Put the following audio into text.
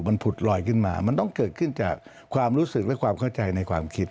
มันผุดลอยขึ้นมามันต้องเกิดขึ้นจากความรู้สึกและความเข้าใจในความคิด